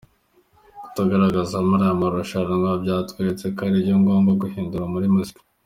Kutagaragara muri ariya marushanwa byanyeretse ko hari ibyo ngomba guhindura muri muzika.